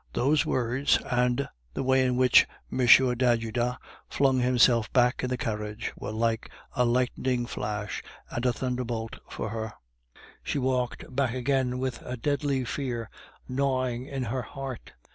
Those words, and the way in which M. d'Ajuda flung himself back in the carriage, were like a lightning flash and a thunderbolt for her; she walked back again with a deadly fear gnawing at her heart.